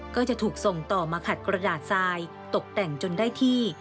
ก็จะถูกส่งต่อมาขัดกระดาษทรายตกแต่งจนได้ที่